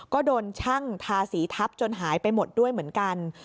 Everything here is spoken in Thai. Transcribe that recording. ก็โดนช่างทาสีทับจนหายไปหมดด้วยเหมือนกัน